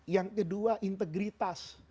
yang kedua integritas